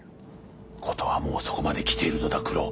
事はもうそこまで来ているのだ九郎。